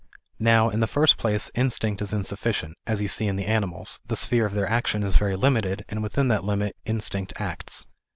Now in the first place instinct is insufficient ; as you see in the animals, the sphere of their action is very limited, and within that limit instinct acts.